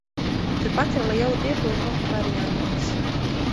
Turpat, ar lielu piepūli nokļuva arī Andrejs.